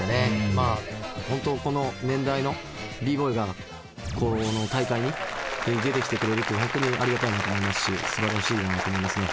まあ本当この年代のＢＢＯＹがこの大会に出てきてくれるって本当にありがたいなと思いますしすばらしいなと思いますね。